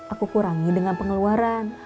aku kurangi dengan pengeluaran